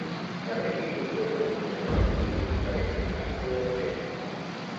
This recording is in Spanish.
Cada equipo juega un sólo partido con cada integrante de la serie.